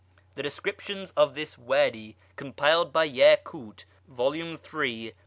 The descriptions of this Wady compiled by Yacut, vol. iii. pp.